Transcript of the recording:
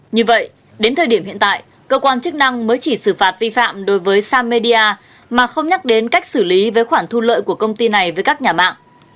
như vậy đến thời điểm hiện tại cơ quan chức năng mới chỉ xử phạt vi phạm đối với samedia mà không nhắc đến cách xử lý với khoản thu lợi của công ty này với các nhà mạng